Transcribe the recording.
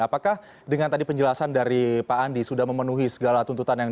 apakah dengan tadi penjelasan dari pak andi sudah memenuhi segala tuntutan yang